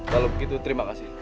kalau begitu terima kasih